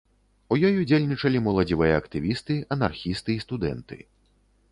У ёй удзельнічалі моладзевыя актывісты, анархісты і студэнты.